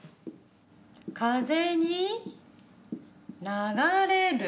「風」に「流」れる。